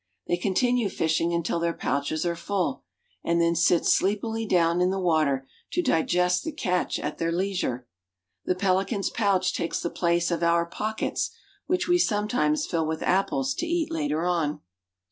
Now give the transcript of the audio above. They continue fishing until their pouches are full, and then sit sleepily down in the water to digest the catch at their leisure. The pelican's pouch takes thf place of our pucl. ets, which we some times fill with applc: to eat later on.